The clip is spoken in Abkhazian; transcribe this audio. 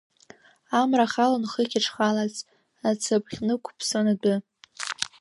Амра халон хыхь ишхалац, Ацыԥхь нықәԥсон адәы.